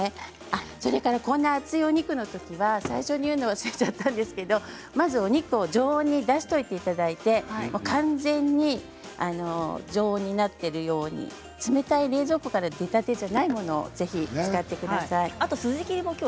それからこんな厚いお肉のときは最初に言うの忘れちゃったんですけどまずお肉を常温に出しておいていただいて完全に常温になっているように冷たい冷蔵庫から出たてじゃないものを使ってください。